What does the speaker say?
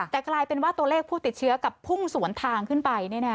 แต่กลายเป็นว่าตัวเลขผู้ติดเชื้อกลับพุ่งสวนทางขึ้นไป